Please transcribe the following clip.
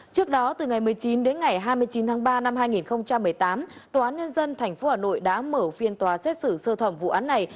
trước đó từ ngày một mươi chín đến ngày hai mươi chín tháng ba năm hai nghìn một mươi tám tòa án nhân dân tp hà nội đã mở phiên tòa xét xử sơ thẩm vụ án này